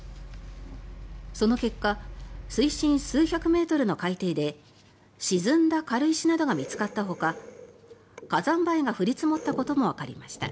その結果水深数百メートルの海底で沈んだ軽石などが見つかったほか火山灰が降り積もったこともわかりました。